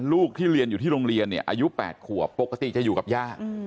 ลูกที่เรียนอยู่ที่โรงเรียนเนี่ยอายุ๘ขวบปกติจะอยู่กับย่า